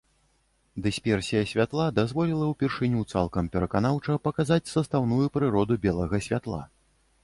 Дысперсія святла дазволіла ўпершыню цалкам пераканаўча паказаць састаўную прыроду белага святла.